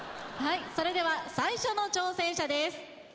はいそれでは最初の挑戦者です。